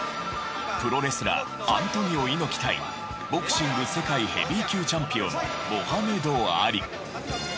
プロレスラーアントニオ猪木対ボクシング世界ヘビー級チャンピオンモハメド・アリ。